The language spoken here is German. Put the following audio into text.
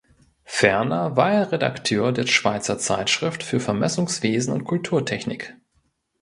Ferner war er Redakteur der Schweizer Zeitschrift für Vermessungswesen und Kulturtechnik.